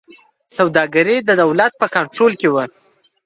سوداګري د دولت په کنټرول کې وه.